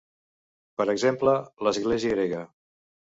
Per exemple, l'església grega.